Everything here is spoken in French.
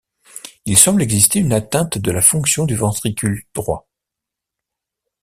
Il semble exister une atteinte de la fonction du ventricule droit.